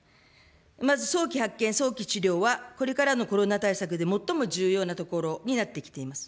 まず早期発見、早期治療はこれからのコロナ対策で最も重要なところになってきています。